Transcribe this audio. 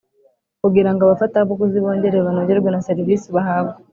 kugira ngo abafatabuguzi bongere banogerwe na serivisi bahabwa.